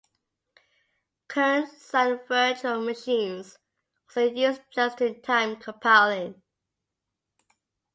Current Sun virtual machines also use just-in-time compiling.